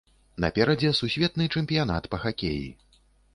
Наперадзе сусветны чэмпіянат па хакеі.